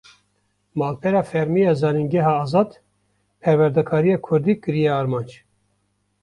Malpera fermî ya Zanîngeha Azad, perwerdekariya Kurdî kiriye armanc